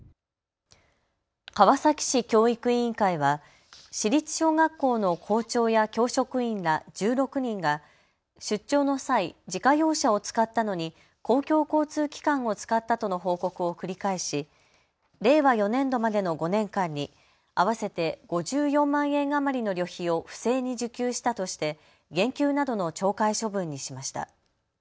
川崎市教育委員会は市立小学校の校長や教職員ら１６人が出張の際、自家用車を使ったのに公共交通機関を使ったとの報告を繰り返し、令和４年度までの５年間に合わせて５４万円余りの旅費を不正に受給したとして減給などの懲戒処分にしました。